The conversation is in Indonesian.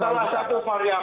kalau itu salah satu pak riawan